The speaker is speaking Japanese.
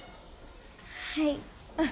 はい。